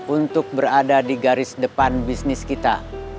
untuk berada di garis depan bisnis kita